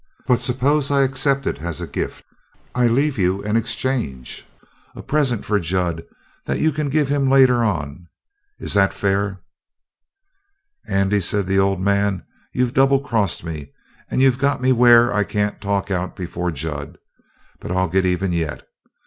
But suppose I accept it as a gift; I leave you an exchange a present for Jud that you can give him later on. Is that fair?" "Andy," said the old man, "you've double crossed me, and you've got me where I can't talk out before Jud. But I'll get even yet.